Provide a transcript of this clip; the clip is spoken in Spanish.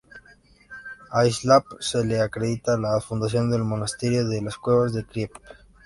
A Iziaslav se le acredita la fundación del Monasterio de las Cuevas de Kiev.